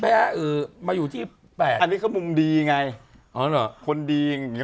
อันนี้คำมุมดีไง